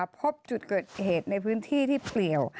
พบจุดเกิดเหตุในพื้นที่ที่เปลี่ยว